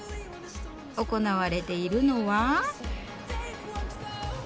行われているのは。